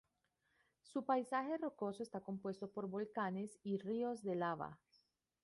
Su paisaje rocoso está compuesto por volcanes y ríos de lava.